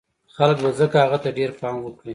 خلک به ځکه هغه ته ډېر پام وکړي